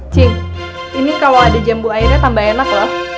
cing ini kalau ada jambu airnya tambah enak loh